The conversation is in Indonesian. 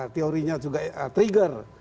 teorinya juga trigger